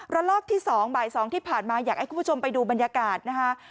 ลอกที่๒บ่าย๒ที่ผ่านมาอยากให้คุณผู้ชมไปดูบรรยากาศนะคะ